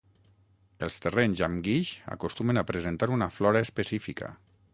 Els terrenys amb guix acostumen a presentar una flora específica.